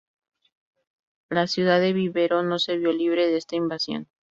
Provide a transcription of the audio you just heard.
La ciudad de Vivero no se vio libre de esta invasión.